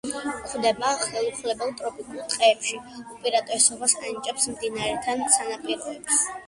გვხვდება ხელუხლებელ ტროპიკულ ტყეებში, უპირატესობას ანიჭებს მდინარეთა სანაპიროებს.